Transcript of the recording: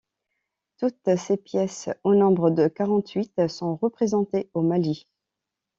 Toutes ses pièces, au nombre de quarante-huit, sont représentées au Maly.